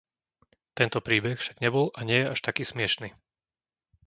Tento príbeh však nebol a nie je až taký smiešny.